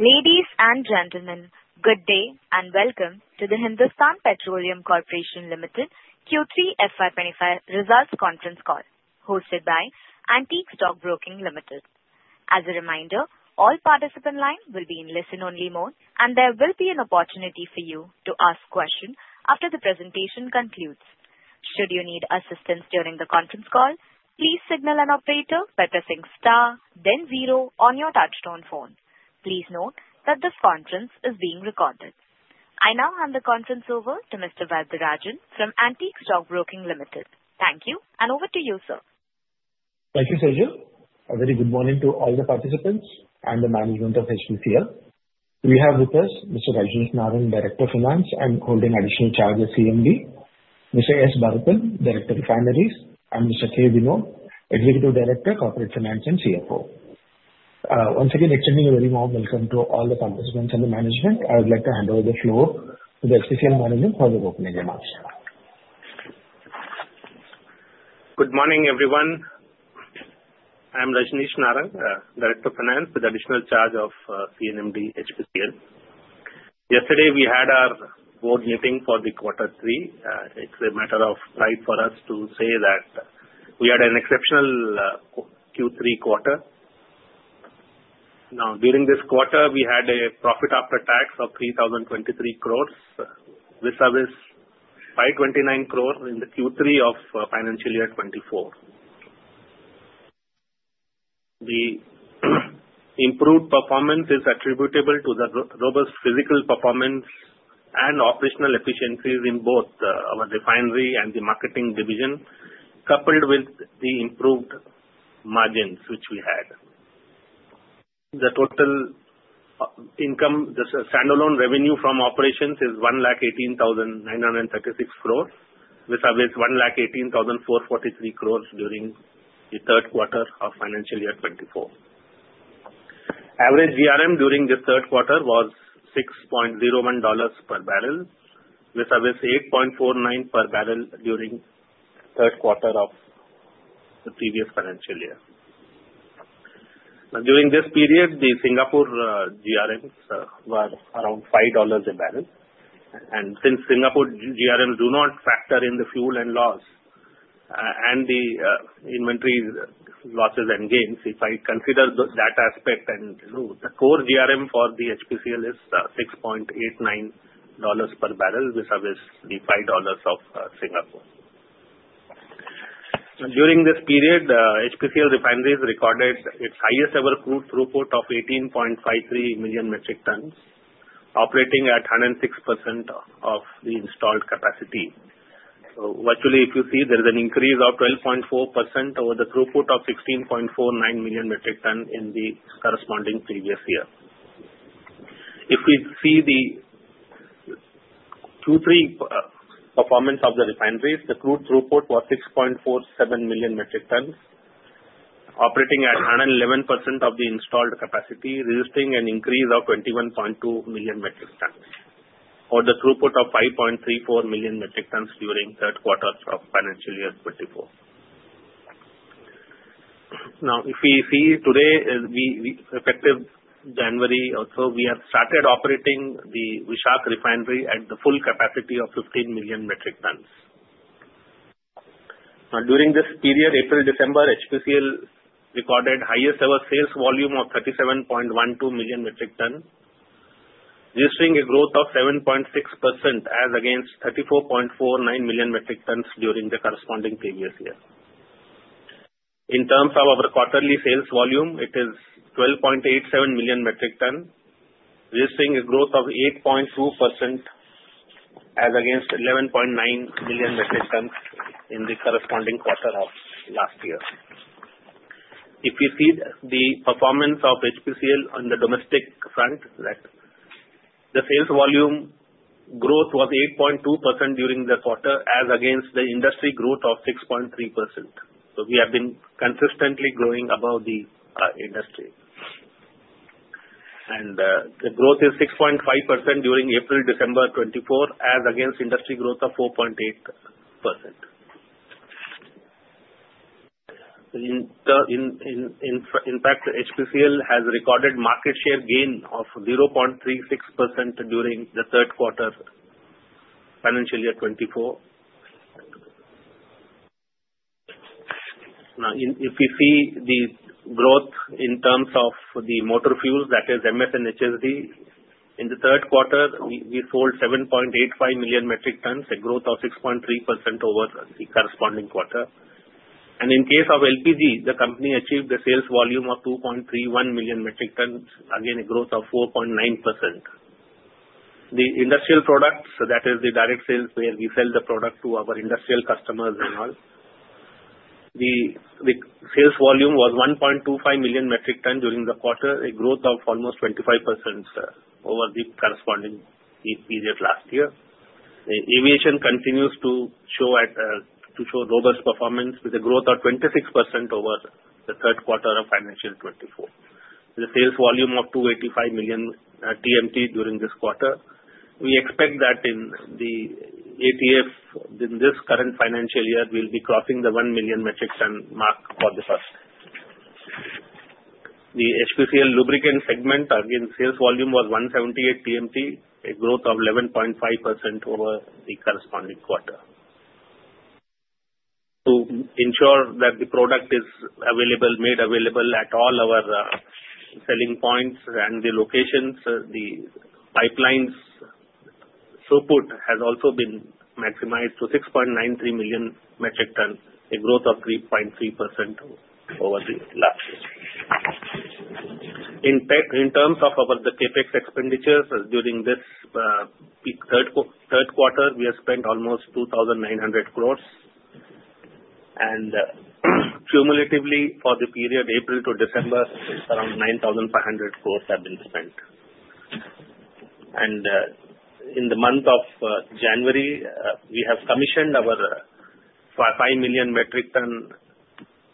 Ladies and gentlemen, good day and welcome to the Hindustan Petroleum Corporation Limited Q3 FY 2025 Results Conference Call, hosted by Antique Stock Broking Limited. As a reminder, all participants' lines will be in listen-only mode, and there will be an opportunity for you to ask questions after the presentation concludes. Should you need assistance during the conference call, please signal an operator by pressing star, then zero on your touchtone phone. Please note that this conference is being recorded. I now hand the conference over to Mr. Varatharajan Sivasankaran from Antique Stock Broking Limited. Thank you, and over to you, sir. Thank you, Sejal. A very good morning to all the participants and the management of HPCL. We have with us Mr. Rajneesh Narang, Director (Finance) and holding additional charge of CMD; Mr. S. Bharathan, Director (Refineries); and Mr. K. Vinod, Executive Director, Corporate Finance and CFO. Once again, extending a very warm welcome to all the participants and the management, I would like to hand over the floor to the HPCL management for the opening remarks. Good morning, everyone. I'm Rajneesh Narang, Director of Finance with Additional Charges CMD HPCL. Yesterday, we had our board meeting for the quarter three. It's a matter of pride for us to say that we had an exceptional Q3 quarter. Now, during this quarter, we had a profit after tax of 3,023 crores, versus 29 crores in the Q3 of financial year 2024. The improved performance is attributable to the robust physical performance and operational efficiencies in both our refinery and the marketing division, coupled with the improved margins which we had. The total income, the standalone revenue from operations, is 118,936 crores, versus 118,443 crores during the third quarter of financial year 2024. Average GRM during the third quarter was $6.01 per barrel, versus $8.49 per barrel during the third quarter of the previous financial year. Now, during this period, the Singapore GRMs were around $5 a barrel. And since Singapore GRMs do not factor in the fuel and loss and the inventory losses and gains, if I consider that aspect, the core GRM for the HPCL is $6.89 per barrel, versus the $5 of Singapore. During this period, HPCL refineries recorded its highest-ever crude throughput of 18.53 million metric tons, operating at 106% of the installed capacity. So virtually, if you see, there is an increase of 12.4% over the throughput of 16.49 million metric tons in the corresponding previous year. If we see the Q3 performance of the refineries, the crude throughput was 6.47 million metric tons, operating at 111% of the installed capacity, resulting in an increase of 21.2% over the throughput of 5.34 million metric tons during the third quarter of financial year 2024. Now, if we see today, effective January, so we have started operating the Visakh refinery at the full capacity of 15 million metric tons. Now, during this period, April-December, HPCL recorded the highest-ever sales volume of 37.12 million metric tons, registering a growth of 7.6% as against 34.49 million metric tons during the corresponding previous year. In terms of our quarterly sales volume, it is 12.87 million metric tons, registering a growth of 8.2% as against 11.9 million metric tons in the corresponding quarter of last year. If we see the performance of HPCL on the domestic front, the sales volume growth was 8.2% during the quarter as against the industry growth of 6.3%. So we have been consistently growing above the industry. And the growth is 6.5% during April-December 2024 as against industry growth of 4.8%. In fact, HPCL has recorded a market share gain of 0.36% during the third quarter of financial year 2024. Now, if we see the growth in terms of the motor fuels, that is MS and HSD, in the third quarter, we sold 7.85 million metric tons, a growth of 6.3% over the corresponding quarter. And in case of LPG, the company achieved a sales volume of 2.31 million metric tons, again a growth of 4.9%. The industrial products, that is the direct sales where we sell the product to our industrial customers and all, the sales volume was 1.25 million metric tons during the quarter, a growth of almost 25% over the corresponding period last year. Aviation continues to show robust performance with a growth of 26% over the third quarter of financial 2024. The sales volume of 285 TMT during this quarter. We expect that in the ATF in this current financial year, we'll be crossing the one million metric ton mark for the first. The HPCL Lubricant segment, again, sales volume was 178 TMT, a growth of 11.5% over the corresponding quarter. To ensure that the product is made available at all our selling points and the locations, the pipeline's throughput has also been maximized to 6.93 million metric tons, a growth of 3.3% over the last year. In terms of our CapEx expenditures during this third quarter, we have spent almost 2,900 crores. Cumulatively, for the period April to December, around 9,500 crores have been spent. In the month of January, we have commissioned our 5 million metric ton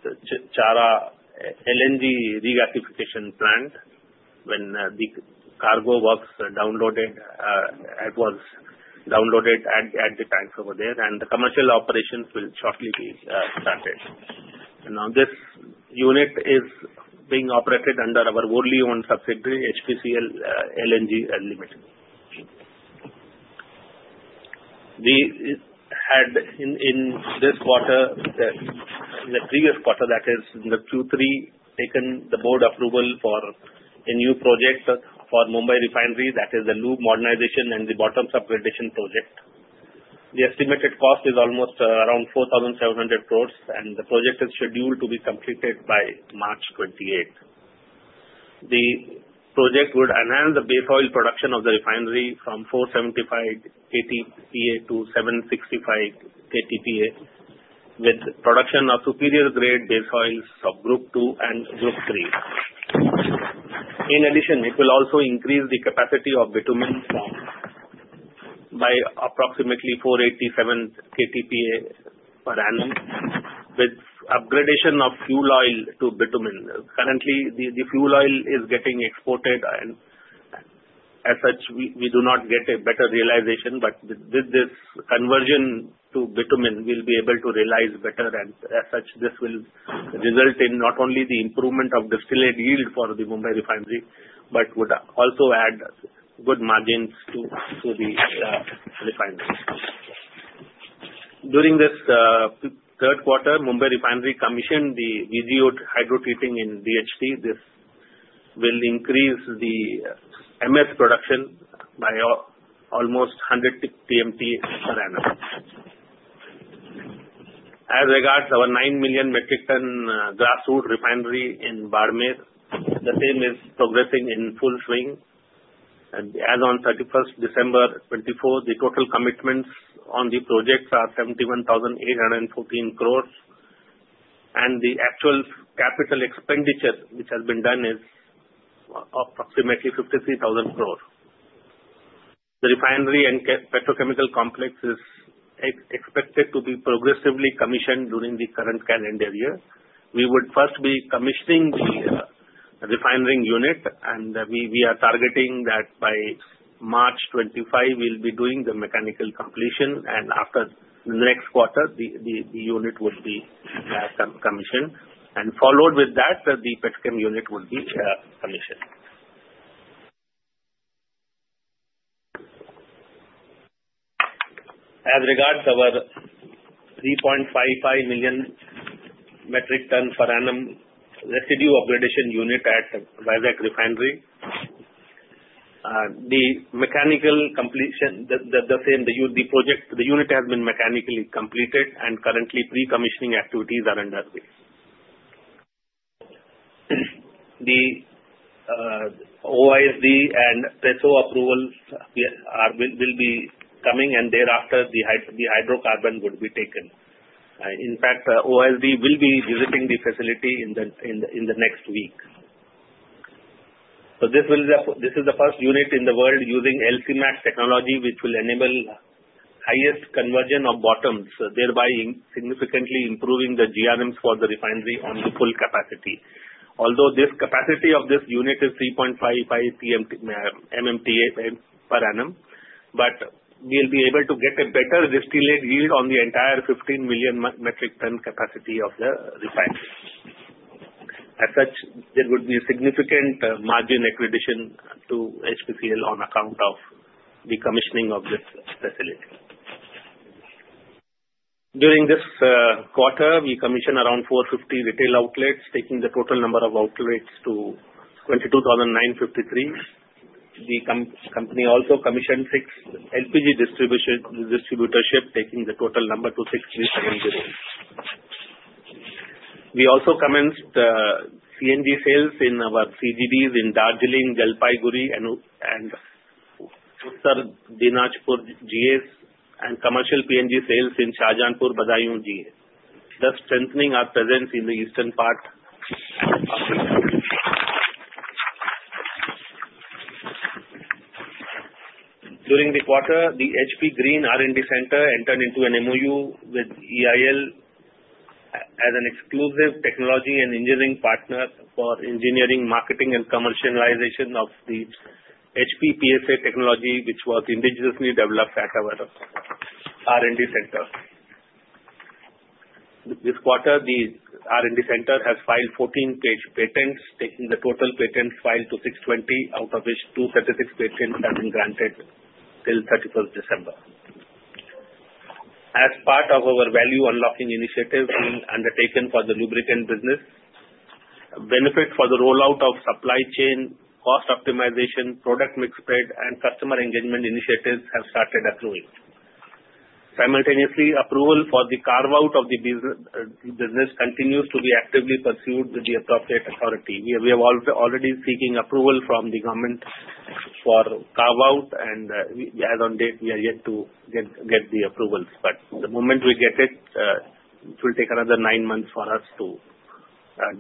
LNG regasification plant when the cargo was downloaded. It was downloaded at the tanks over there, and the commercial operations will shortly be started. Now this unit is being operated under our wholly owned subsidiary, HPCL LNG Limited. We had, in this quarter, the previous quarter, that is in the Q3, taken the board approval for a new project for Mumbai Refinery, that is the lube modernization and the bottoms upgradation project. The estimated cost is almost around 4,700 crores, and the project is scheduled to be completed by March 28. The project would enhance the base oil production of the refinery from 475 KTPA to 765 KTPA, with production of superior-grade base oils of Group II and Group III. In addition, it will also increase the capacity of bitumen by approximately 487 KTPA per annum, with upgradation of fuel oil to bitumen. Currently, the fuel oil is getting exported, and as such, we do not get a better realization. But with this conversion to bitumen, we'll be able to realize better, and as such, this will result in not only the improvement of distillate yield for the Mumbai Refinery, but would also add good margins to the refinery. During this third quarter, Mumbai Refinery commissioned the VGO Hydrotreating and DHT. This will increase the MS production by almost 100 TMT per annum. As regards our nine million metric ton grassroots refinery in Barmer, the same is progressing in full swing. As on 31st December 2024, the total commitments on the project are 71,814 crores, and the actual capital expenditure, which has been done, is approximately 53,000 crores. The refinery and petrochemical complex is expected to be progressively commissioned during the current calendar year. We would first be commissioning the refinery unit, and we are targeting that by March 25, we'll be doing the mechanical completion. After the next quarter, the unit would be commissioned. Followed with that, the petrochem unit would be commissioned. As regards our 3.55 million metric tonnes per annum residue upgradation unit at Visakh Refinery, the mechanical completion, the same, the unit has been mechanically completed, and currently, pre-commissioning activities are underway. The OISD and PESO approvals will be coming, and thereafter, the hydrocarbon would be taken. In fact, OISD will be visiting the facility in the next week. This is the first unit in the world using LC-MAX technology, which will enable highest conversion of bottoms, thereby significantly improving the GRMs for the refinery on the full capacity. Although this capacity of this unit is 3.55 MMTA per annum, we'll be able to get a better distillate yield on the entire 15 million metric tonnes capacity of the refinery. As such, there would be significant margin accretion to HPCL on account of the commissioning of this facility. During this quarter, we commissioned around 450 retail outlets, taking the total number of outlets to 22,953. The company also commissioned six LPG distributorships, taking the total number to 6,370. We also commenced PNG sales in our CGDs in Darjeeling, Jalpaiguri, and Uttar Dinajpur GAs, and commercial PNG sales in Shahjahanpur, Badaun GA. Thus strengthening our presence in the eastern part of the country. During the quarter, the HP Green R&D Center entered into an MOU with EIL as an exclusive technology and engineering partner for engineering, marketing, and commercialization of the HP-PSA technology, which was indigenously developed at our R&D Center. This quarter, the R&D Center has filed 14 patents, taking the total patent filed to 620, out of which 236 patents have been granted till 31st December. As part of our value unlocking initiative being undertaken for the lubricant business, benefits for the rollout of supply chain, cost optimization, product mix spread, and customer engagement initiatives have started accruing. Simultaneously, approval for the carve-out of the business continues to be actively pursued with the appropriate authority. We are already seeking approval from the government for carve-out, and as of date, we are yet to get the approvals. But the moment we get it, it will take another nine months for us to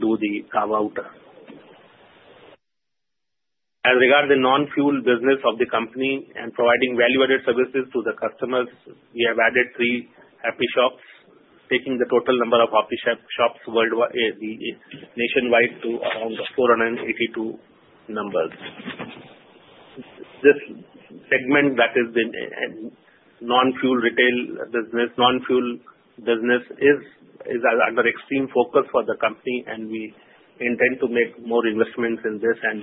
do the carve-out. As regards the non-fuel business of the company and providing value-added services to the customers, we have added three HaPpy Shops, taking the total number of HaPpy Shops nationwide to around 482 numbers. This segment, that is the non-fuel retail business, non-fuel business, is under extreme focus for the company, and we intend to make more investments in this and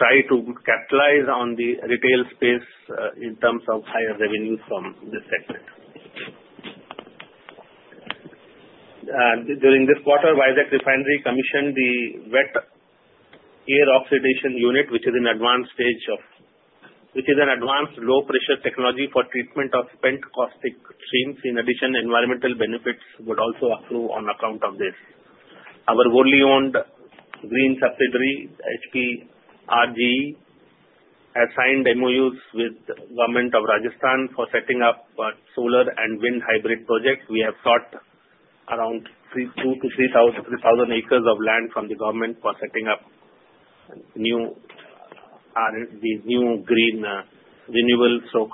try to capitalize on the retail space in terms of higher revenue from this segment. During this quarter, Visakh Refinery commissioned the Wet Air Oxidation Unit, which is an advanced low-pressure technology for treatment of spent caustic streams. In addition, environmental benefits would also accrue on account of this. Our wholly owned green subsidiary, HPRGE, has signed MOUs with the Government of Rajasthan for setting up solar and wind hybrid projects. We have sought around 2,000-3,000 acres of land from the government for setting up these new green renewables, so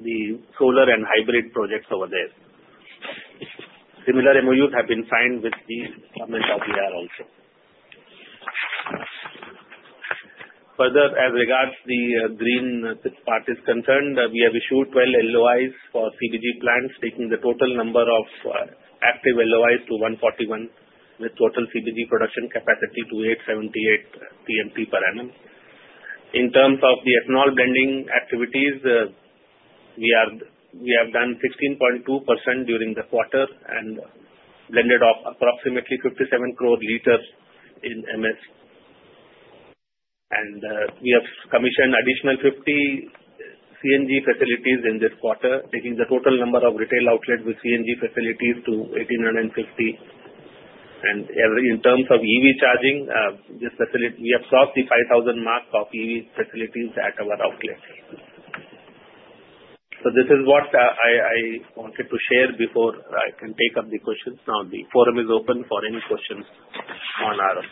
the solar and hybrid projects over there. Similar MOUs have been signed with the Government of Bihar also. Further, as regards the green third-party concerned, we have issued 12 LOIs for CBG plants, taking the total number of active LOIs to 141, with total CBG production capacity to 878 TMT per annum. In terms of the ethanol blending activities, we have done 16.2% during the quarter and blended off approximately 57 crore liters in MS, and we have commissioned additional 50 CNG facilities in this quarter, taking the total number of retail outlets with CNG facilities to 1,850, and in terms of EV charging, we have crossed the 5,000 mark of EV facilities at our outlets, so this is what I wanted to share before I can take up the questions. Now, the forum is open for any questions on our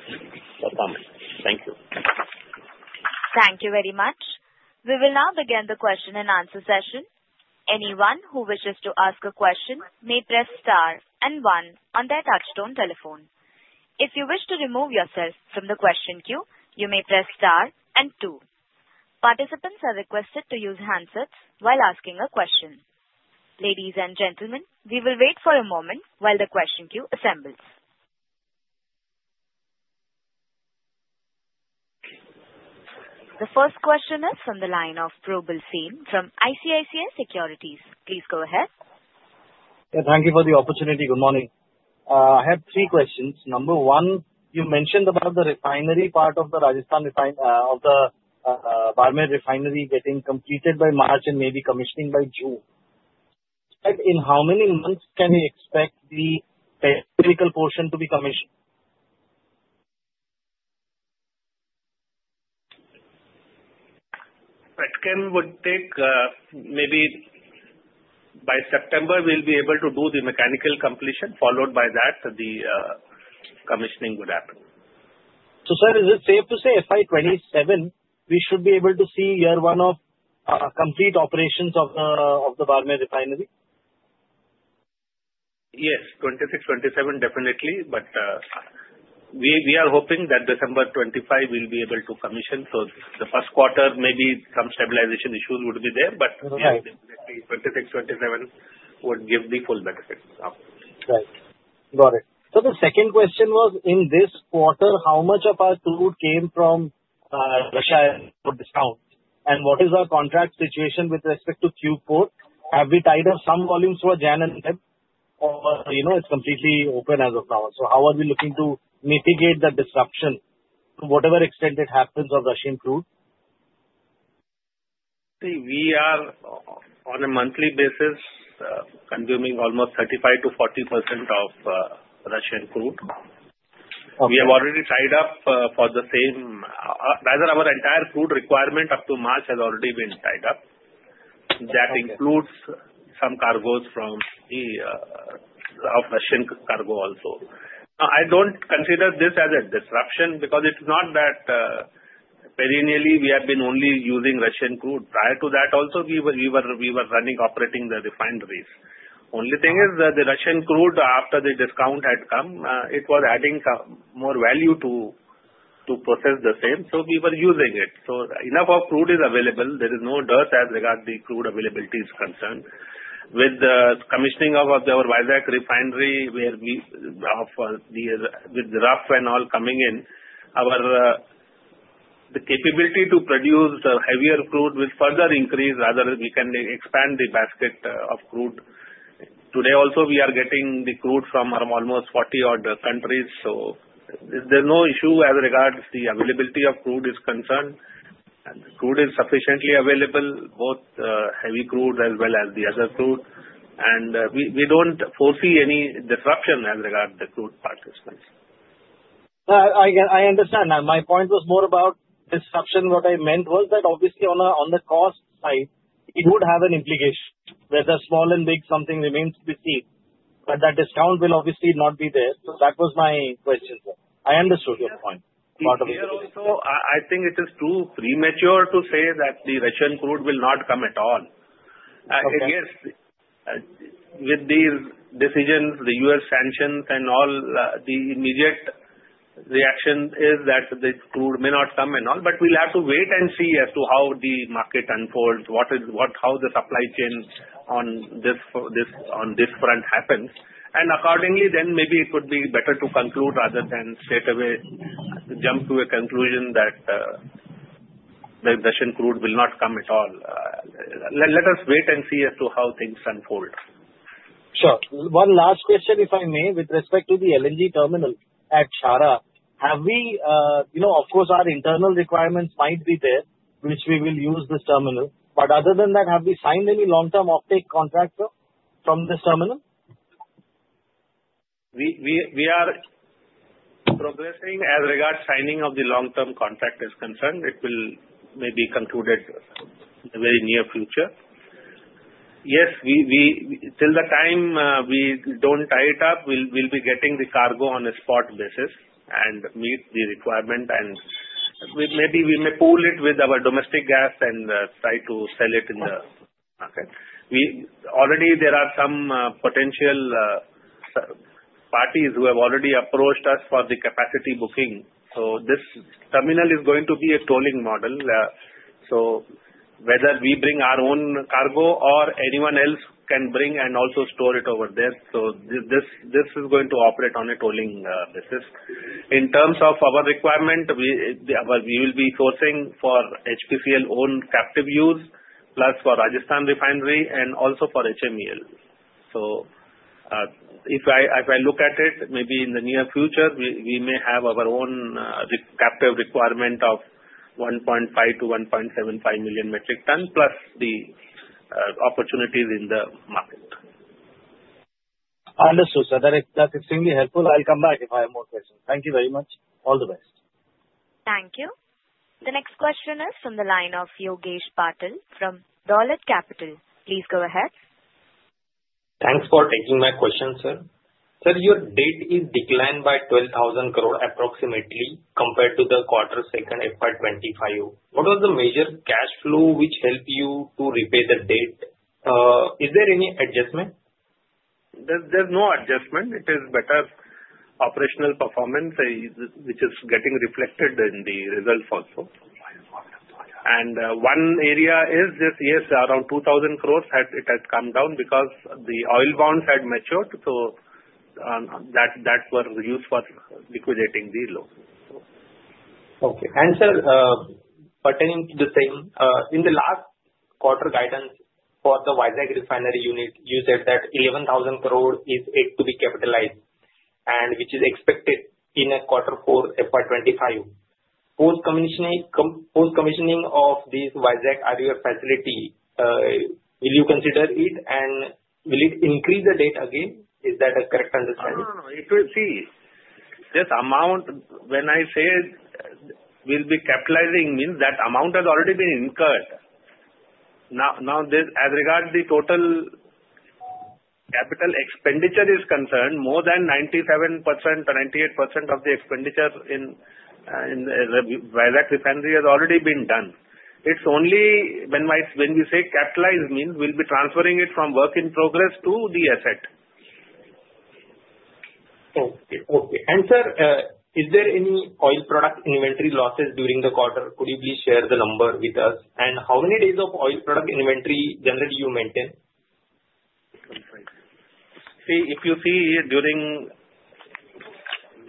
performance. Thank you. Thank you very much. We will now begin the question and answer session. Anyone who wishes to ask a question may press star and one on their touchtone telephone. If you wish to remove yourself from the question queue, you may press star and two. Participants are requested to use handsets while asking a question. Ladies and gentlemen, we will wait for a moment while the question queue assembles. The first question is from the line of Probal Sen from ICICI Securities. Please go ahead. Thank you for the opportunity. Good morning. I have three questions. Number one, you mentioned about the refinery part of the Rajasthan Barmer refinery getting completed by March and maybe commissioning by June. In how many months can we expect the petrochemical portion to be commissioned? Petrochem would take maybe by September, we'll be able to do the mechanical completion, followed by that the commissioning would happen. So sir, is it safe to say FY 2027, we should be able to see year one of complete operations of the Barmer refinery? Yes, FY 2026, FY 2027 definitely. But we are hoping that December 2025, we'll be able to commission. So the first quarter, maybe some stabilization issues would be there, but definitely FY 2026, FY 2027 would give the full benefit. Right. Got it. So the second question was, in this quarter, how much of our crude came from Russia for discount? And what is our contract situation with respect to Q4? Have we tied up some volumes for January and February? Or it's completely open as of now? So how are we looking to mitigate the disruption to whatever extent it happens of Russian crude? We are, on a monthly basis, consuming almost 35%-40% of Russian crude. We have already tied up for the same rather, our entire crude requirement up to March has already been tied up. That includes some cargoes from Russian crude also. I don't consider this as a disruption because it's not that perennially we have been only using Russian crude. Prior to that also, we were running, operating the refineries. Only thing is that the Russian crude, after the discount had come, it was adding more value to process the same. So we were using it. So enough of crude is available. There is no dearth as regards the crude availability is concerned. With the commissioning of our Visakh Refinery, with the RUF and all coming in, the capability to process the heavier crude will further increase. Rather, we can expand the basket of crude. Today also, we are getting the crude from almost 40 odd countries. So, there's no issue as regards the availability of crude is concerned. Crude is sufficiently available, both heavy crude as well as the other crude, and we don't foresee any disruption as regards the crude procurement. I understand. My point was more about disruption. What I meant was that obviously on the cost side, it would have an implication whether small and big something remains to be seen, but that discount will obviously not be there, so that was my question. I understood your point, so I think it is too premature to say that the Russian crude will not come at all. Yes, with these decisions, the U.S. sanctions and all, the immediate reaction is that the crude may not come and all, but we'll have to wait and see as to how the market unfolds, how the supply chain on this front happens. And accordingly, then maybe it would be better to conclude rather than jump to a conclusion that the Russian crude will not come at all. Let us wait and see as to how things unfold. Sure. One last question, if I may, with respect to the LNG terminal at Shahjahanpur, of course, our internal requirements might be there, which we will use this terminal. But other than that, have we signed any long-term offtake contract from this terminal? We are progressing as regards signing of the long-term contract is concerned. It will maybe concluded in the very near future. Yes, till the time we don't tie it up, we'll be getting the cargo on a spot basis and meet the requirement. And maybe we may pool it with our domestic gas and try to sell it in the market. Already, there are some potential parties who have already approached us for the capacity booking. So this terminal is going to be a tolling model. So whether we bring our own cargo or anyone else can bring and also store it over there. So this is going to operate on a tolling basis. In terms of our requirement, we will be sourcing for HPCL own captive use, plus for Rajasthan Refinery, and also for HMEL. So if I look at it, maybe in the near future, we may have our own captive requirement of 1.5-1.75 million metric tons, plus the opportunities in the market. Understood, sir. That's extremely helpful. I'll come back if I have more questions. Thank you very much. All the best. Thank you. The next question is from the line of Yogesh Patil from Dolat Capital. Please go ahead. Thanks for taking my question, sir. Sir, your debt is declined by 12,000 crore approximately compared to the second quarter FY 2025. What was the major cash flow which helped you to repay the debt? Is there any adjustment? There's no adjustment. It is better operational performance, which is getting reflected in the results also. And one area is just, yes, around 2,000 crore it has come down because the oil bonds had matured. So that was used for liquidating the loan. Okay. And sir, pertaining to the same, in the last quarter guidance for the Visakh Refinery unit, you said that 11,000 crore is yet to be capitalize, which is expected in fourth quarter FY25. Post-commissioning of this Visakh at your facility, will you consider it, and will it increase the debt again? Is that a correct understanding? No, no, no. It will see. Just amount, when I said we'll be capitalizing, means that amount has already been incurred. Now, as regards the total capital expenditure is concerned, more than 97% or 98% of the expenditure in the Visakh Refinery has already been done. It's only when we say capitalize, means we'll be transferring it from work in progress to the asset. Okay. And sir, is there any oil product inventory losses during the quarter? Could you please share the number with us? And how many days of oil product inventory generally you maintain? See, if you see during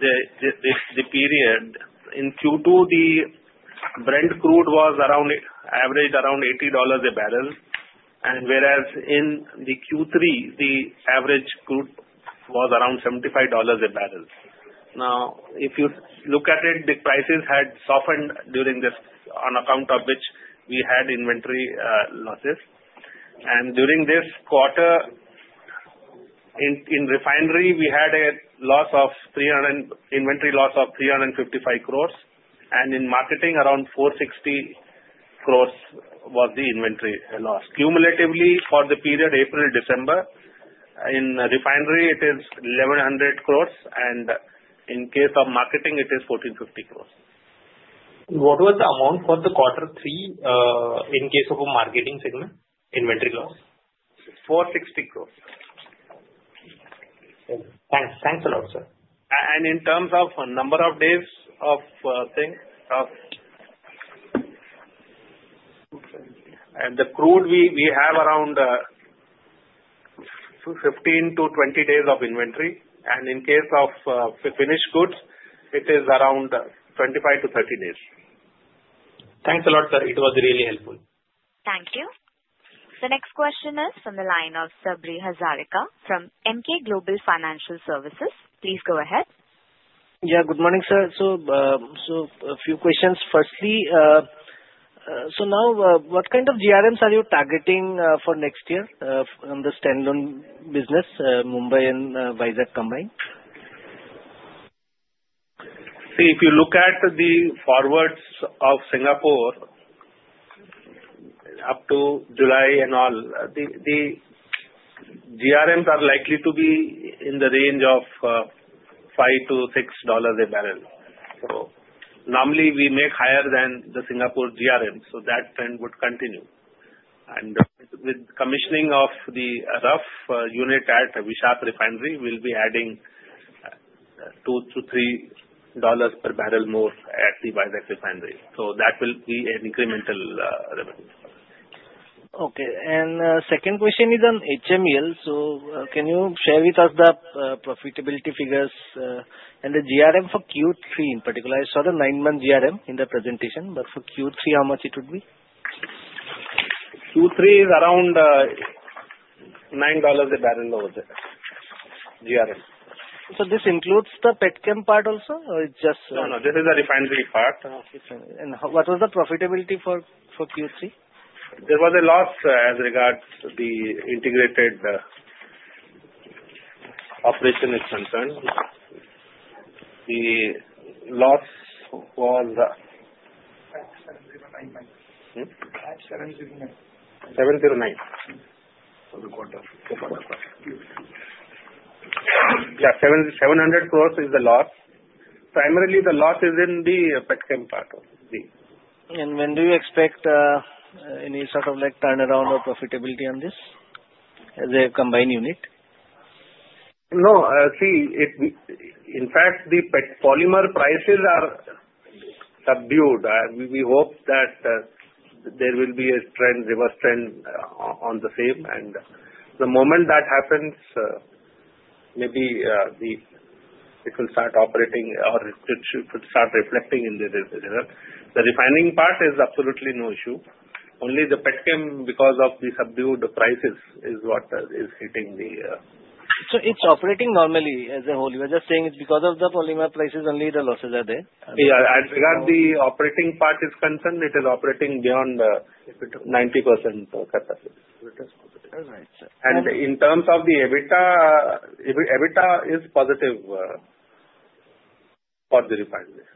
the period, in Q2, the Brent Crude was averaged around $80 a barrel, whereas in the Q3, the average crude was around $75 a barrel. Now, if you look at it, the prices had softened on account of which we had inventory losses. During this quarter, in refinery, we had an inventory loss of 355 crores. In marketing, around 460 crores was the inventory loss. Cumulatively, for the period April-December, in refinery, it is 1,100 crores. In case of marketing, it is 1,450 crores. What was the amount for quarter three in case of the marketing segment inventory loss? 460 crores. Thanks. Thanks a lot, sir. In terms of number of days of inventory, the crude, we have around 15 to 20 days of inventory. In case of finished goods, it is around 25 to 30 days. Thanks a lot, sir. It was really helpful. Thank you. The next question is from the line of Sabri Hazarika from Emkay Global Financial Services. Please go ahead. Yeah. Good morning, sir. A few questions. Firstly, so now, what kind of GRMs are you targeting for next year on the standalone business, Mumbai and Visakh combined? See, if you look at the forwards of Singapore up to July and all, the GRMs are likely to be in the range of $5-$6 a barrel. So normally, we make higher than the Singapore GRMs. So that trend would continue. And with commissioning of the Residue Upgradation Unit at Visakh Refinery, we'll be adding $2-$3 per barrel more at the Visakh Refinery. So that will be an incremental revenue. Okay. And second question is on HMEL. So can you share with us the profitability figures and the GRM for Q3 in particular? I saw the nine-month GRM in the presentation, but for Q3, how much it would be? Q3 is around $9 a barrel over there, GRM. So this includes the petchem part also or it's just? No, no. This is the refinery part. And what was the profitability for Q3? There was a loss as regards the integrated operation is concerned. The loss was 709 crore. 709 crore for the quarter. Yeah, 700 crores is the loss. Primarily, the loss is in the petchem part. And when do you expect any sort of turnaround or profitability on this as a combined unit? No. See, in fact, the polymer prices are subdued. We hope that there will be a reverse trend on the same. And the moment that happens, maybe it will start operating or it should start reflecting in the result. The refining part is absolutely no issue. Only the petchem, because of the subdued prices, is what is hitting the. So it's operating normally as a whole. You were just saying it's because of the polymer prices, only the losses are there. Yeah. As regards the operating part is concerned, it is operating beyond 90%. All right, sir. And in terms of the EBITDA, EBITDA is positive for the refinery.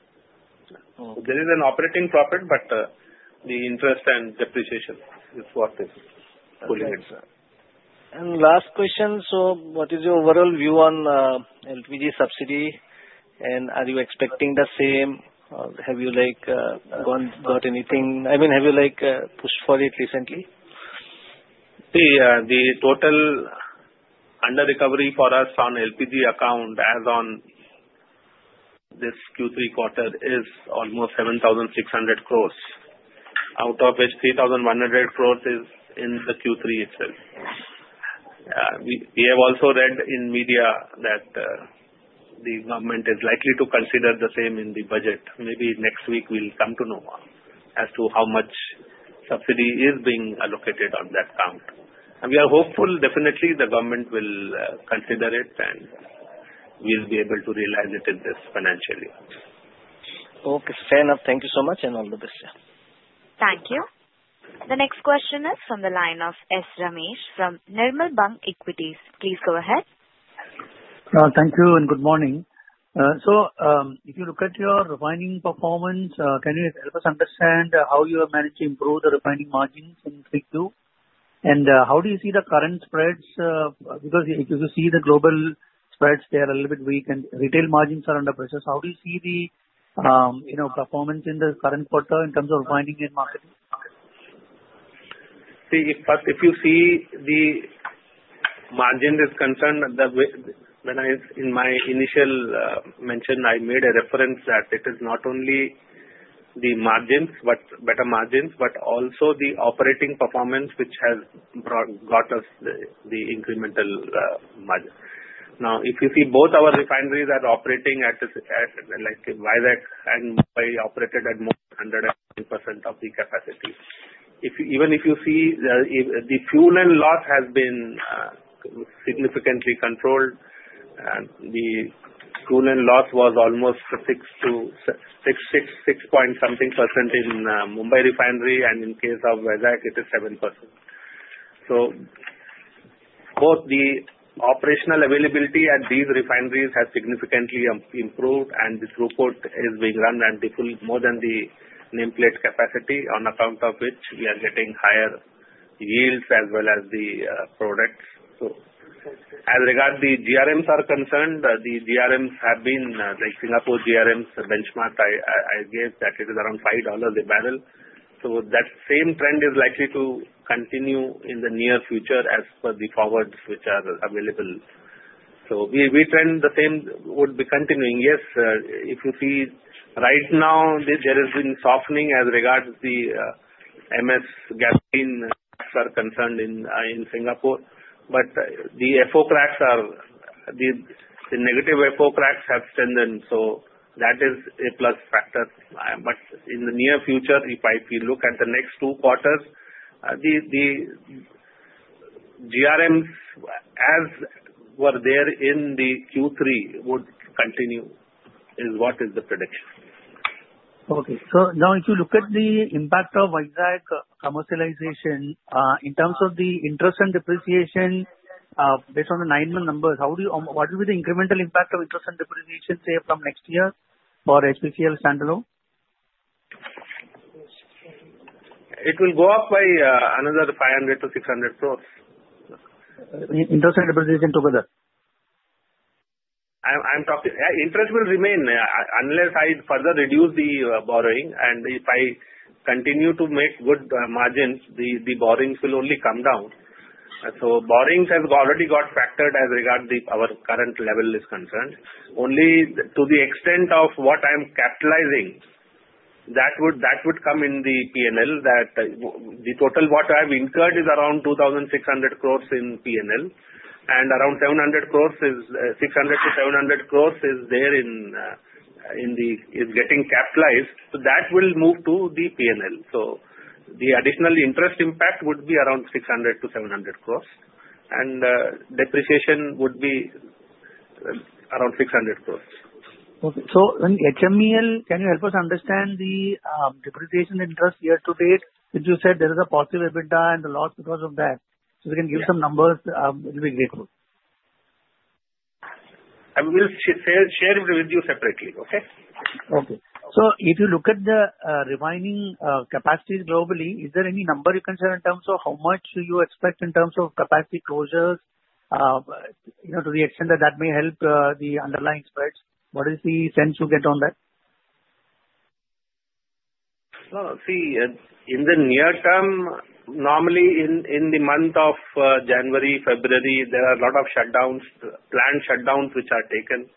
There is an operating profit, but the interest and depreciation is what is pulling it. And last question. So what is your overall view on LPG subsidy? And are you expecting the same? Have you got anything? I mean, have you pushed for it recently? See, the total under recovery for us on LPG account as on this Q3 quarter is almost 7,600 crores, out of which 3,100 crores is in the Q3 itself. We have also read in media that the government is likely to consider the same in the budget. Maybe next week, we'll come to know as to how much subsidy is being allocated on that count. And we are hopeful, definitely, the government will consider it, and we'll be able to realize it in this financial year. Okay. Fair enough. Thank you so much and all the best, sir. Thank you. The next question is from the line of S. Ramesh from Nirmal Bang Equities. Please go ahead. Thank you and good morning. So if you look at your refining performance, can you help us understand how you are managing to improve the refining margins in Q2? And how do you see the current spreads? Because if you see the global spreads, they are a little bit weak, and retail margins are under pressure. So how do you see the performance in the current quarter in terms of refining and marketing? See, if you see the margin is concerned, when I in my initial mention, I made a reference that it is not only the margins, better margins, but also the operating performance, which has brought us the incremental margin. Now, if you see both our refineries are operating at Visakh and Mumbai operated at more than 100% of the capacity. Even if you see the fuel and loss has been significantly controlled, the fuel and loss was almost 6%-6.6% in Mumbai refinery, and in case of Visakh, it is 7%. Both the operational availability at these refineries has significantly improved, and this refinery is being run more than the nameplate capacity on account of which we are getting higher yields as well as the products. As regards the GRMs are concerned, the GRMs have been like Singapore GRMs benchmarked. I guess that it is around $5 a barrel. So that same trend is likely to continue in the near future as per the forwards which are available. So we think the same would be continuing. Yes, if you see right now, there has been softening as regards the MS gasoline cracks are concerned in Singapore. But the FO cracks, the negative FO cracks have strengthened. So that is a plus factor. But in the near future, if we look at the next two quarters, the GRMs as were there in the Q3 would continue is what is the prediction. Okay. So now, if you look at the impact of Visakhapatnam commercialization in terms of the interest and depreciation based on the nine-month numbers, what will be the incremental impact of interest and depreciation, say, from next year for HPCL standalone? It will go up by another 500-600 crores. Interest and depreciation together? I'm talking interest will remain unless I further reduce the borrowing. And if I continue to make good margins, the borrowings will only come down. So borrowings have already got factored as regards our current level is concerned. Only to the extent of what I'm capitalizing, that would come in the P&L that the total what I've incurred is around 2,600 crores in P&L. And around 600 crores-700 crores is there in getting capitalized. So that will move to the P&L. So the additional interest impact would be around 600 crores-700 crores. And depreciation would be around 600 crores. Okay. So when HMEL, can you help us understand the depreciation interest year to date? If you said there is a positive EBITDA and the loss because of that, if you can give some numbers, we'll be grateful. I will share it with you separately, okay? Okay. So if you look at the refining capacity globally, is there any number you can share in terms of how much you expect in terms of capacity closures to the extent that that may help the underlying spreads? What is the sense you get on that? Well, see, in the near term, normally in the month of January, February, there are a lot of planned shutdowns which are taken.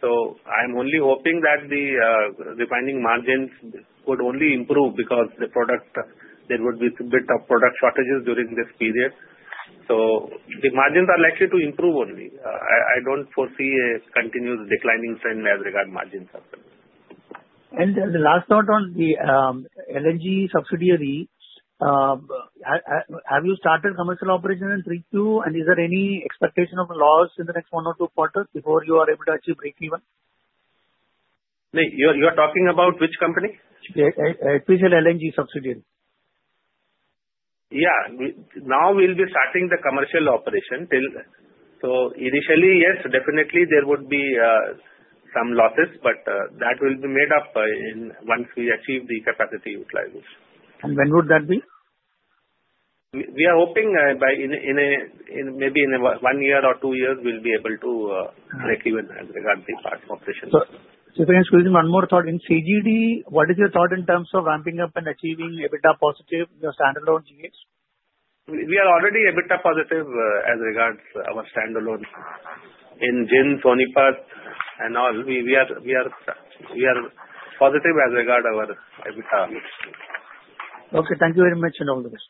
So I'm only hoping that the refining margins would only improve because there would be a bit of product shortages during this period. So the margins are likely to improve only. I don't foresee a continued declining trend as regards margins are concerned. And the last thought on the LNG subsidiary, have you started commercial operation in Q2? And is there any expectation of loss in the next one or two quarters before you are able to achieve breakeven? You are talking about which company? HPCL LNG subsidiary. Yeah. Now we'll be starting the commercial operation. So initially, yes, definitely, there would be some losses, but that will be made up once we achieve the capacity utilization. And when would that be? We are hoping maybe in one year or two years, we'll be able to breakeven as regards the operation. So if I may squeeze in one more thought, in CGD, what is your thought in terms of ramping up and achieving EBITDA positive standalone units? We are already EBITDA positive as regards our standalone. In Jind, Sonipat, and all. We are positive as regards our EBITDA mixed units. Okay. Thank you very much and all the best.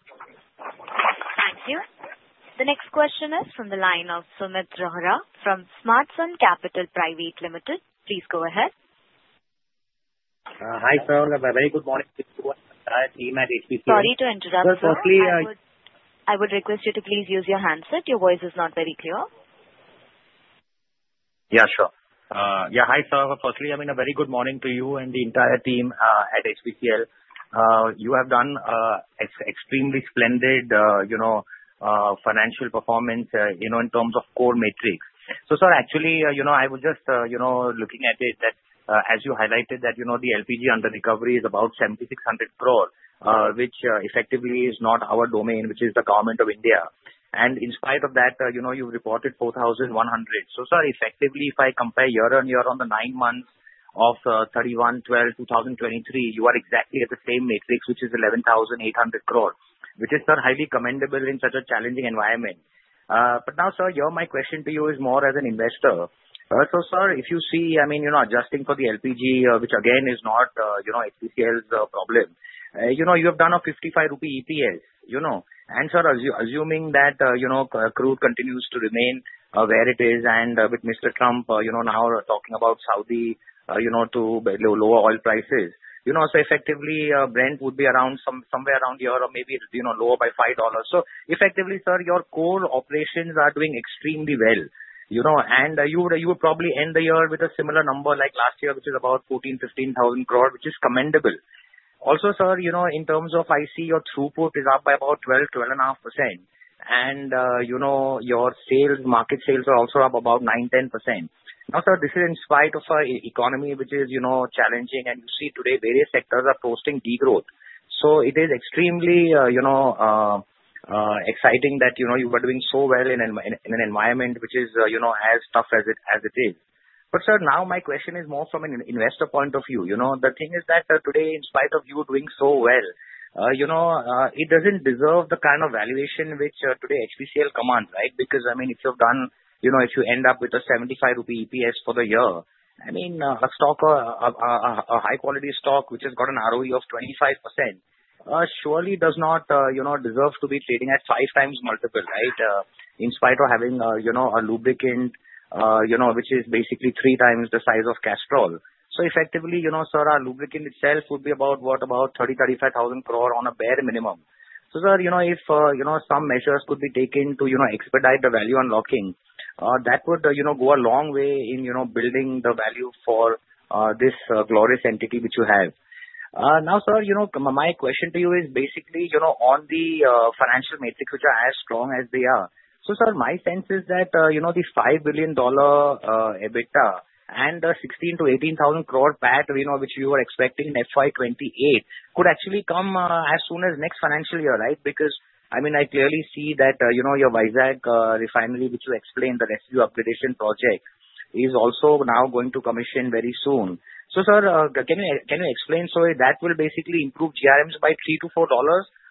Thank you. The next question is from the line of Sumeet Rohra from Smartsun Capital Private Limited. Please go ahead. Hi, Sir. Very good morning to the entire team at HPCL. Sorry to interrupt, Sir. Firstly, I would request you to please use your handset. Your voice is not very clear. Yeah, sure. Yeah. Hi, Sir. Firstly, I mean, a very good morning to you and the entire team at HPCL. You have done extremely splendid financial performance in terms of core metrics. So, Sir, actually, I was just looking at it that as you highlighted that the LPG under recovery is about 7,600 crore, which effectively is not our domain, which is the government of India. And in spite of that, you've reported 4,100 crore. So, Sir, effectively, if I compare year-on-year on the nine months of 31/12/2023, you are exactly at the same metrics, which is 11,800 crore, which is, Sir, highly commendable in such a challenging environment. But now, Sir, my question to you is more as an investor. So, Sir, if you see, I mean, adjusting for the LPG, which again is not HPCL's problem, you have done an 55 crore rupee EPS. And, Sir, assuming that crude continues to remain where it is and with Mr. Trump now talking about Saudi to lower oil prices, so effectively, Brent would be somewhere around here or maybe lower by $5. So effectively, Sir, your core operations are doing extremely well. And you would probably end the year with a similar number like last year, which is about 14,000 crore-15,000 crore, which is commendable. Also, Sir, in terms of IC, your throughput is up by about 12%-12.5%. And your market sales are also up about 9%-10%. Now, Sir, this is in spite of an economy which is challenging, and you see today various sectors are posting degrowth. So it is extremely exciting that you are doing so well in an environment which is as tough as it is. But, Sir, now my question is more from an investor point of view. The thing is that today, in spite of you doing so well, it doesn't deserve the kind of valuation which today HPCL commands, right? Because, I mean, if you end up with a 75 crore rupee EPS for the year, I mean, a high-quality stock which has got an ROE of 25% surely does not deserve to be trading at five times multiple, right, in spite of having a lubricant, which is basically three times the size of Castrol. So effectively, Sir, our lubricant itself would be about 30,000 crore-35,000 crore on a bare minimum. So, Sir, if some measures could be taken to expedite the value unlocking, that would go a long way in building the value for this glorious entity which you have. Now, Sir, my question to you is basically on the financial metrics, which are as strong as they are. So, Sir, my sense is that the $5 billion EBITDA and the 16,000 crore-18,000 crore PAT which you were expecting in FY2028 could actually come as soon as next financial year, right? Because, I mean, I clearly see that your Visakh refinery, which you explained, the residue upgradation project, is also now going to commission very soon. So, Sir, can you explain? So that will basically improve GRMs by $3-$4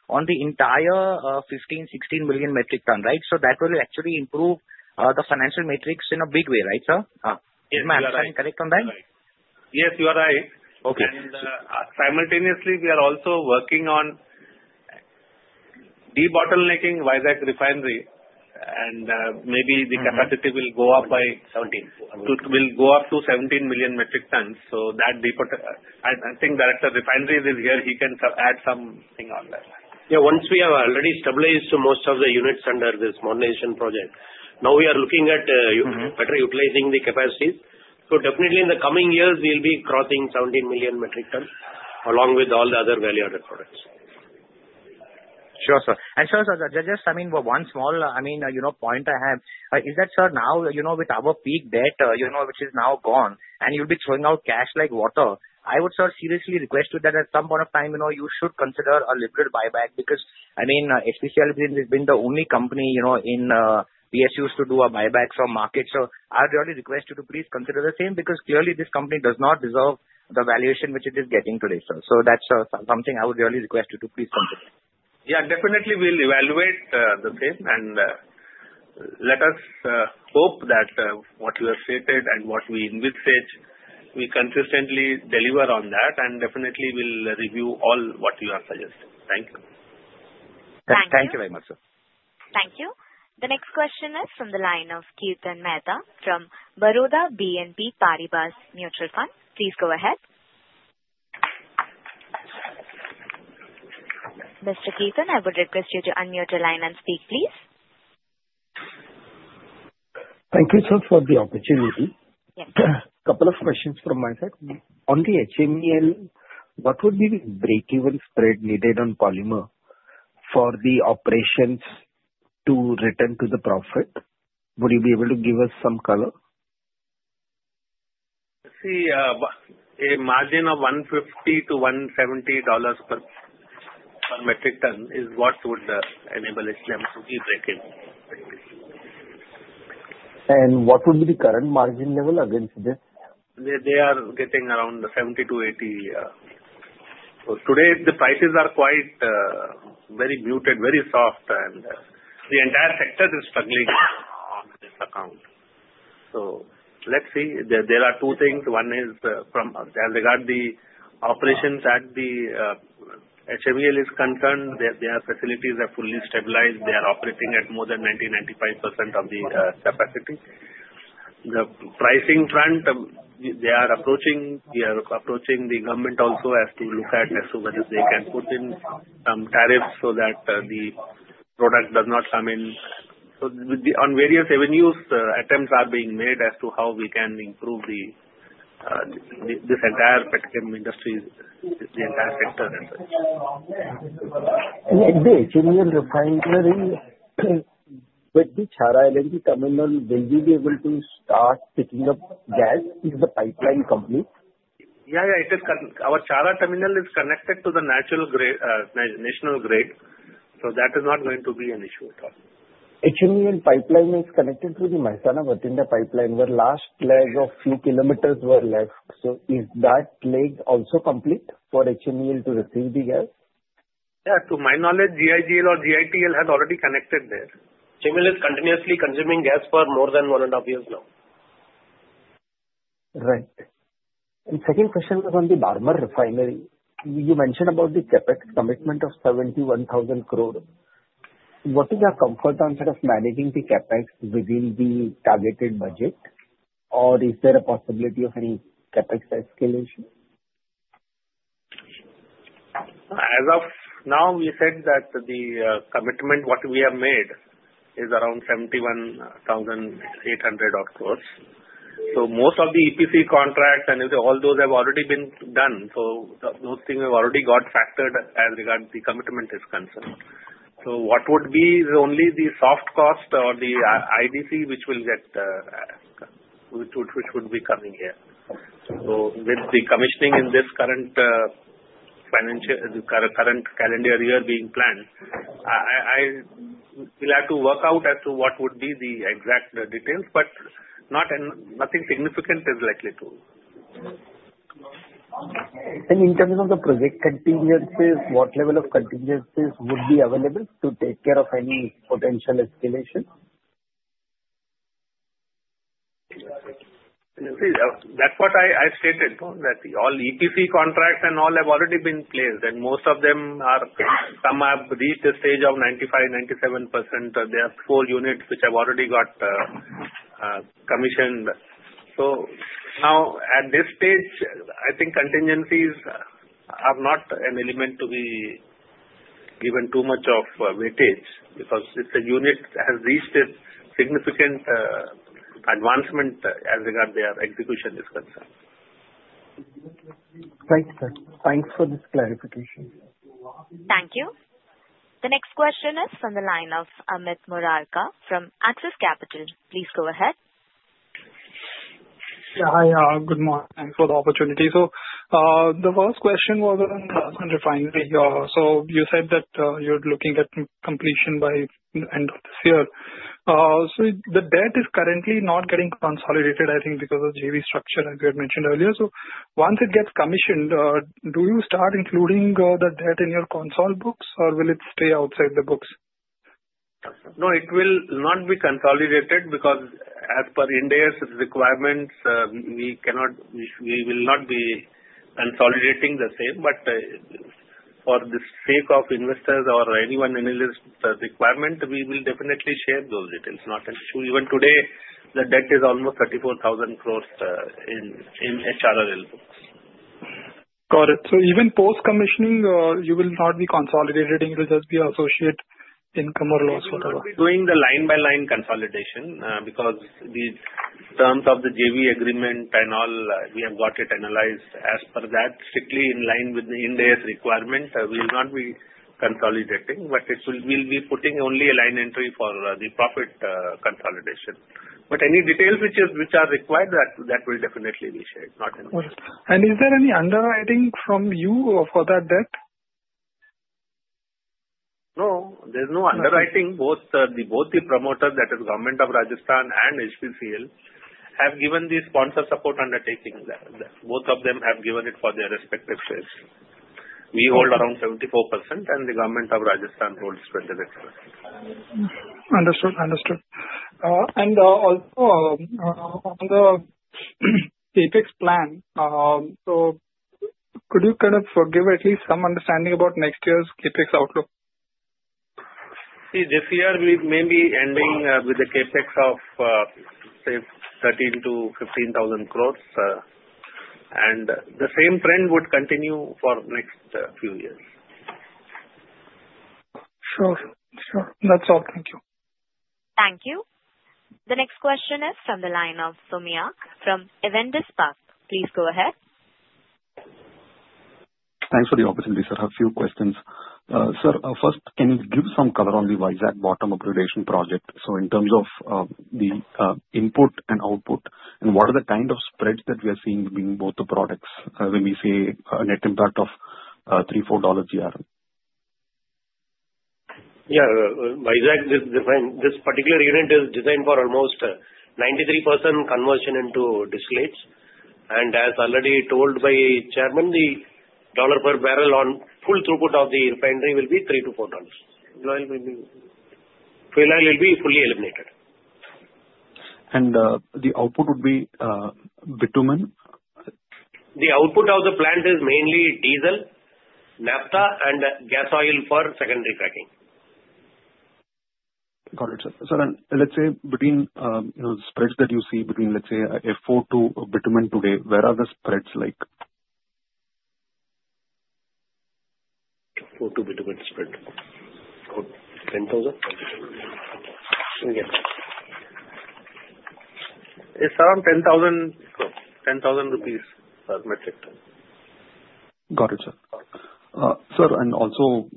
on the entire 15-16 million metric ton, right? So that will actually improve the financial metrics in a big way, right, Sir? Am I correct on that? Yes, you are right. And simultaneously, we are also working on de-bottlenecking Visakh refinery, and maybe the capacity will go up to 17 million metric tons. So that deeper, I think Director Refinery is here. He can add something on that. Yeah. Once we have already established most of the units under this modernization project, now we are looking at better utilizing the capacities, so definitely, in the coming years, we'll be crossing 17 million metric tons along with all the other value-added products. Sure, Sir. And, Sir, just I mean, one small, I mean, point I have is that, Sir, now with our peak debt, which is now gone, and you'll be throwing out cash like water, I would, Sir, seriously request you that at some point of time, you should consider a limited buyback because, I mean, HPCL has been the only company in PSUs to do a buyback from market. So I would really request you to please consider the same because clearly this company does not deserve the valuation which it is getting today, Sir. So that's something I would really request you to please consider. Yeah. Definitely, we'll evaluate the same. And let us hope that what you have stated and what we envisage, we consistently deliver on that. And definitely, we'll review all what you have suggested. Thank you. Thank you very much, Sir. Thank you. The next question is from the line of Kirtan Mehta from Baroda BNP Paribas Mutual Fund. Please go ahead. Mr. Kirtan, I would request you to unmute your line and speak, please. Thank you, Sir, for the opportunity. A couple of questions from my side. On the HMEL, what would be the breakeven spread needed on polymer for the operations to return to the profit? Would you be able to give us some color? See, a margin of $150-$170 per metric ton is what would enable HMEL to be breakeven. And what would be the current margin level against this? They are getting around 70 to 80. Today, the prices are quite very muted, very soft, and the entire sector is struggling on this account. Let's see. There are two things. One is from as regards the operations at the HMEL is concerned, their facilities are fully stabilized. They are operating at more than 90%-95% of the capacity. The pricing front, they are approaching the government also as to look at whether they can put in some tariffs so that the product does not come in. So on various avenues, attempts are being made as to how we can improve this entire petroleum industry, the entire sector. The HMEL refinery with the Chhara LNG terminal, will we be able to start picking up gas if the pipeline completes? Yeah, yeah. Our Chhara terminal is connected to the national grid. That is not going to be an issue at all. HMEL pipeline is connected to the Mehsana-Bathinda pipeline where last leg of a few kilometers were left. So is that leg also complete for HMEL to receive the gas? Yeah. To my knowledge, GIGL or GITL has already connected there. HMEL is continuously consuming gas for more than one and a half years now. Right. And second question was on the Barmer refinery. You mentioned about the CapEx commitment of 71,000 crore. What is your comfort on sort of managing the CapEx within the targeted budget, or is there a possibility of any CapEx escalation? As of now, we said that the commitment, what we have made, is around 71,800 crores. So most of the EPC contracts and all those have already been done. So those things have already got factored as regards the commitment is concerned. So what would be only the soft cost or the IDC, which will be coming here. With the commissioning in this current calendar year being planned, we'll have to work out as to what would be the exact details, but nothing significant is likely to. In terms of the project contingencies, what level of contingencies would be available to take care of any potential escalation? That's what I stated, that all EPC contracts and all have already been placed, and most of them have reached the stage of 95%, 97%. There are four units which have already got commissioned. Now, at this stage, I think contingencies are not an element to be given too much of weightage because the unit has reached a significant advancement as regards their execution is concerned. Right, Sir. Thanks for this clarification. Thank you. The next question is from the line of Amit Murarka from Axis Capital. Please go ahead. Yeah. Hi. Good morning. Thanks for the opportunity. So the first question was on the refinery. So you said that you're looking at completion by the end of this year. So the debt is currently not getting consolidated, I think, because of JV structure, as you had mentioned earlier. So once it gets commissioned, do you start including the debt in your consolidated books, or will it stay outside the books? No, it will not be consolidated because as per IndAS requirements, we will not be consolidating the same. But for the sake of investors or anyone in the requirement, we will definitely share those details. Not an issue. Even today, the debt is almost 34,000 crores in HRRL books. Got it. So even post-commissioning, you will not be consolidated. It will just be associate income or loss whatever. We're doing the line-by-line consolidation because the terms of the JV agreement and all, we have got it analyzed as per that, strictly in line with IndAS requirements. We will not be consolidating, but we'll be putting only a line entry for the profit consolidation. But any details which are required, that will definitely be shared. Not an issue. And is there any underwriting from you for that debt? No. There's no underwriting. Both the promoter, that is, Government of Rajasthan and HPCL, have given the sponsor support undertaking. Both of them have given it for their respective shares. We hold around 74%, and the Government of Rajasthan holds 26%. Understood. Understood. And also on the CapEx plan, so could you kind of give at least some understanding about next year's CapEx outlook? See, this year, we may be ending with a CapEx of, say, 13,000 crores-15,000 crores. And the same trend would continue for the next few years. Sure. Sure. That's all. Thank you. Thank you. The next question is from the line of Somaiah from Avendus Spark. Please go ahead. Thanks for the opportunity, Sir. I have a few questions. Sir, first, can you give some color on the Visakh bottoms upgradation project? So in terms of the input and output, and what are the kind of spreads that we are seeing between both the products when we say a net impact of $3-$4 GRM? Yeah. This particular unit is designed for almost 93% conversion into distillates. And as already told by Chairman, the dollar per barrel on full throughput of the refinery will be $3-$4. Fuel oil will be fully eliminated. And the output would be bitumen? The output of the plant is mainly diesel, naphtha, and gas oil for secondary cracking. Got it, Sir. Sir, and let's say between the spreads that you see between, let's say, FO to bitumen today, where are the spreads like? FO to bitumen spread. 10,000? Yes. It's around 10,000 crore rupees per metric ton. Got it, Sir. Sir, and also,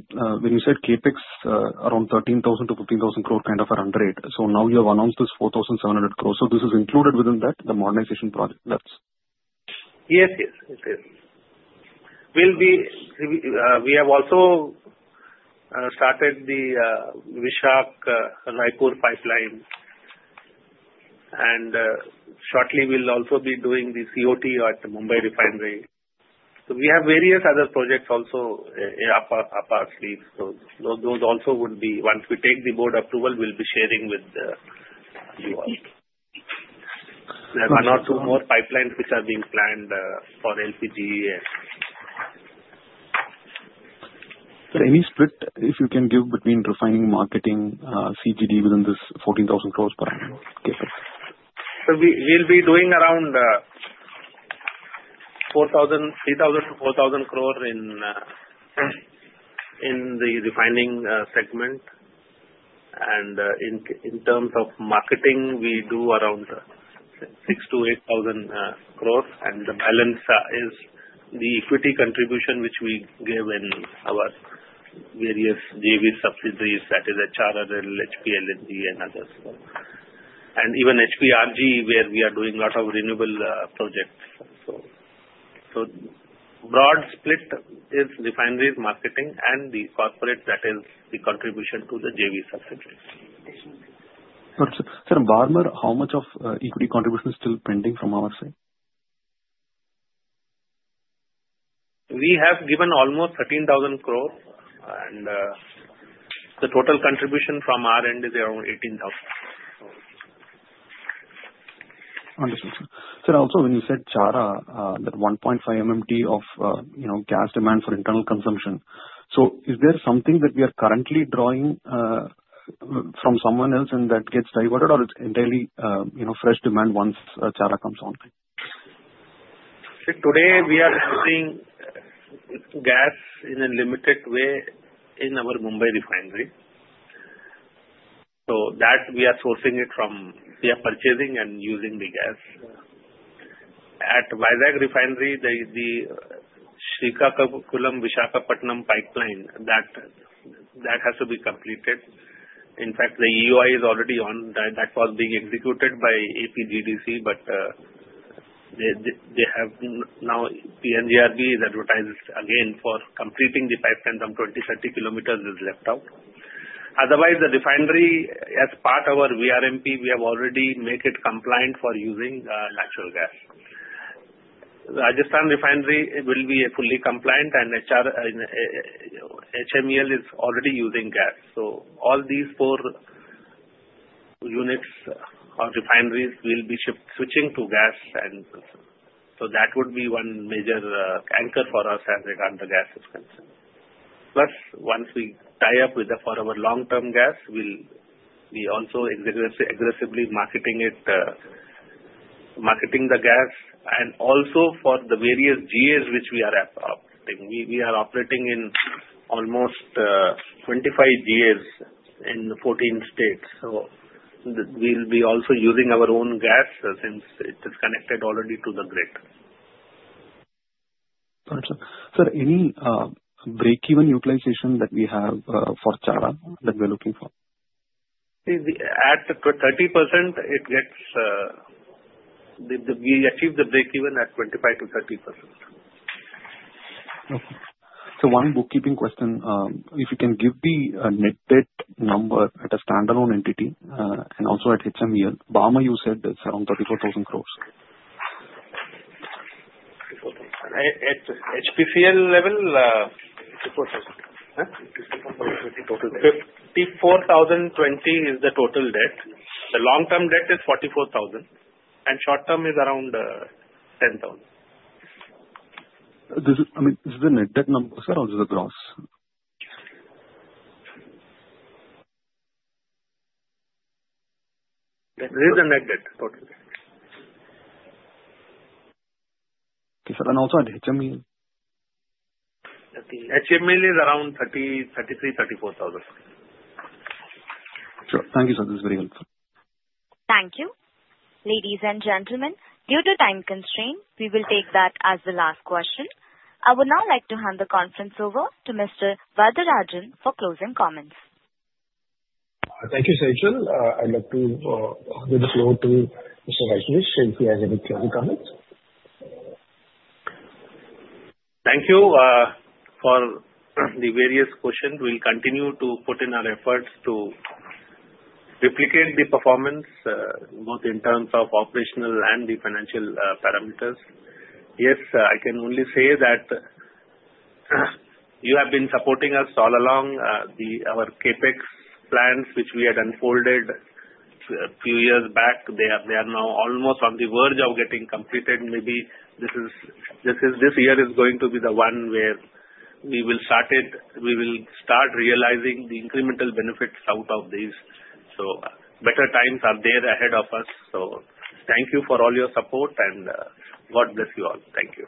when you said CapEx, around 13,000 crore-15,000 crore kind of a run rate. So now you have announced this 4,700 crore. So this is included within that, the modernization project? Yes, yes. It is. We have also started the Visakh-Raipur pipeline. And shortly, we'll also be doing the COT at the Mumbai refinery. So we have various other projects also up our sleeve. So those also would be once we take the board approval, we'll be sharing with you all. There are one or two more pipelines which are being planned for LPG. Sir, any split, if you can give, between refining, marketing, CGD within this 14,000 crores per annum CapEx? So we'll be doing around 3,000 crores-4,000 crores in the refining segment. And in terms of marketing, we do around 6,000 crores-8,000 crores. And the balance is the equity contribution which we give in our various JV subsidiaries, that is, HRRL, HPCL LNG, and others. And even HP RGE, where we are doing a lot of renewable projects. So broad split is refineries, marketing, and the corporate, that is, the contribution to the JV subsidiaries. Got it, Sir. Sir, Barmer, how much of equity contribution is still pending from our side? We have given almost 13,000 crores. And the total contribution from our end is around 18,000 crores. Understood, Sir. Sir, also, when you said Chhara, that 1.5 MMT of gas demand for internal consumption, so is there something that we are currently drawing from someone else and that gets diverted, or it's entirely fresh demand once Chhara comes online? Today, we are using gas in a limited way in our Mumbai refinery. So that we are sourcing it from we are purchasing and using the gas. At Visakh refinery, the Srikakulam Visakhapatnam pipeline, that has to be completed. In fact, the EIL is already on. That was being executed by APGDC, but they have now PNGRB is advertised again for completing the pipeline. Some 20km-30km is left out. Otherwise, the refinery, as part of our VRMP, we have already made it compliant for using natural gas. Rajasthan refinery will be fully compliant, and HMEL is already using gas. All these four units or refineries will be switching to gas. And that would be one major anchor for us as regards the gas is concerned. Plus, once we tie up with the for our long-term gas, we'll be also aggressively marketing the gas. And also for the various GAs which we are operating, we are operating in almost 25 GAs in 14 states. So we'll be also using our own gas since it is connected already to the grid. Got it, Sir. Sir, any break-even utilization that we have for Chhara that we're looking for? At 30%, we achieve the break-even at 25%-30%. Okay. One bookkeeping question. If you can give the net debt number at a standalone entity and also at HMEL, Barmer, you said it's around 34,000 crores. INR 34,000 crores. At HPCL level, 34,000 crores. Huh? 34,020 crores total. 54,020 crores is the total debt. The long-term debt is 44,000 crores, and short-term is around 10,000 crores. I mean, is the net debt number, Sir, or is it gross? It is the net debt total. Okay, Sir. And also at HMEL? HMEL is around 33,000 crore, 34,000 crore. Sure. Thank you, Sir. This is very helpful. Thank you. Ladies and gentlemen, due to time constraint, we will take that as the last question. I would now like to hand the conference over to Mr. Varatharajan for closing comments. Thank you, Sejal. I'd like to give the floor to Mr. Rajneesh if he has any closing comments. Thank you for the various questions. We'll continue to put in our efforts to replicate the performance, both in terms of operational and the financial parameters. Yes, I can only say that you have been supporting us all along. Our CapEx plans, which we had unfolded a few years back, they are now almost on the verge of getting completed. Maybe this year is going to be the one where we will start realizing the incremental benefits out of these. So better times are there ahead of us. So thank you for all your support and God bless you all. Thank you.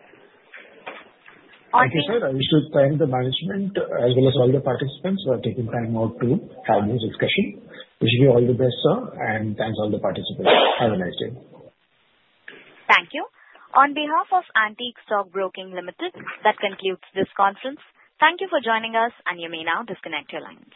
Thank you, Sir. I wish to thank the management as well as all the participants for taking time out to have this discussion. Wishing you all the best, Sir. And thanks, all the participants. Have a nice day. Thank you. On behalf of Antique Stock Broking Limited, that concludes this conference. Thank you for joining us, and you may now disconnect your lines.